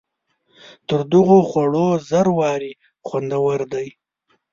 تر دغو خوړو زر وارې خوندور دی.